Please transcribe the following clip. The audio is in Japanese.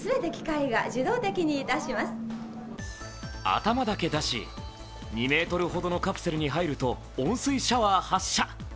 頭だけ出し、２ｍほどのカプセルに入ると温水シャワー発射。